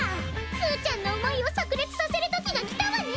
すうちゃんの思いを炸裂させる時がきたわね！